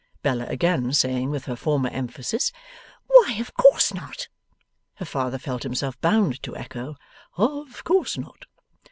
Bella again saying, with her former emphasis, 'Why, of course not!' her father felt himself bound to echo, 'Of course not.